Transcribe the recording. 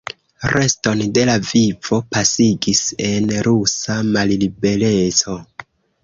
Reston de la vivo pasigis en rusa mallibereco.